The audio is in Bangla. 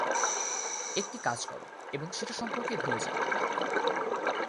একটি কাজ করো এবং সেটা সম্পর্কে ভুলে যাও।